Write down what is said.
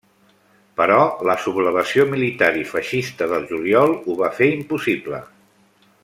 Però la sublevació militar i feixista del juliol ho va fer impossible.